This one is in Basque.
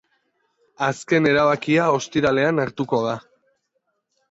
Azken erabakia ostiralean hartuko da.